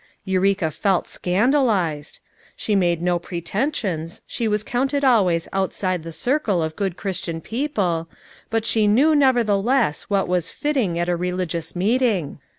Eureka felt scandalized. She made no pretensions, she was counted always ouisidc the circle of good Christian people, but she knew nevertheless what was fitting at a religious meeting!